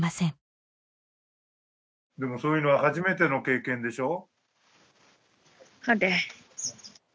そういうのは初めての経験でしょ